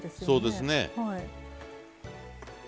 そうですね。